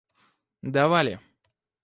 давали